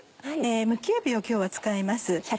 むきえびを今日は使います。